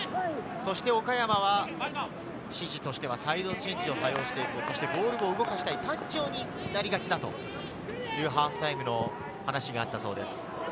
そして岡山は、指示としてはサイドチェンジを多用していこう、ボールを動かしたい、単調になりがちだというハーフタイムの話があったそうです。